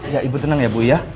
ya ibu tenang ya bu ya